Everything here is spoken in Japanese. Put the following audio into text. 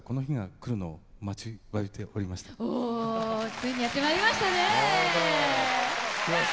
ついにやって参りましたね！